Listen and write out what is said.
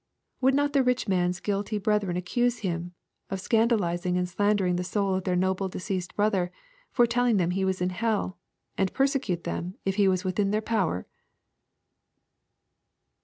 " Would not the rich man's guilty brethren accuse him of scan dalizing and slandering the soul of their noble deceased brother, for telling them he was in hell, — ^and persecute him, if he was within their power ?" LUKE XYir.